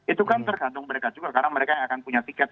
itu kan tergantung mereka juga karena mereka yang akan punya tiket